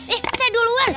eh saya duluan